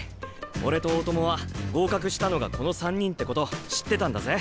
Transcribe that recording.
俺と大友は合格したのがこの３人ってこと知ってたんだぜ！